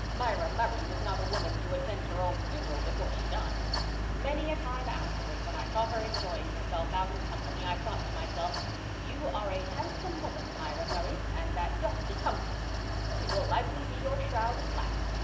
Myra Murray was not a woman to attend her own funeral before she died. Many a time afterwards when I saw her enjoying herself out in company I thought to myself, 'You are a handsome woman, Myra Murray, and that dress becomes you, but it will likely be your shroud at last.